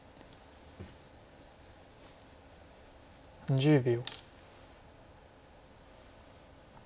１０秒。